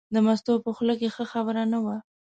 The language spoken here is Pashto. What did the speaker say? د مستو په خوله کې ښه خبره نه وه.